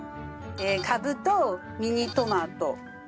カブとミニトマト。